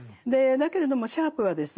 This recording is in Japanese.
だけれどもシャープはですね